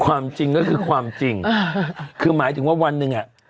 ความจริงก็คือความจริงอ่าคือหมายถึงว่าวันหนึ่งอ่ะ